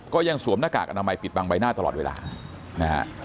สวมหน้ากากอนามัยปิดบังใบหน้าตลอดเวลานะฮะ